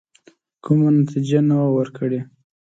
کومه نتیجه نه وه ورکړې.